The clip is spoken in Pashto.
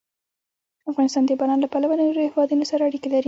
افغانستان د باران له پلوه له نورو هېوادونو سره اړیکې لري.